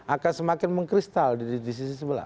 akan semakin mengkristal di sisi sebelah